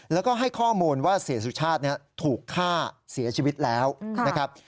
แล้วก็ให้ข้อมูลว่าเศรษฐศาสตร์เนี่ยถูกฆ่าเสียชีวิตแล้วนะครับ